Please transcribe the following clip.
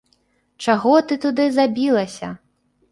Чаго ты туды забілася!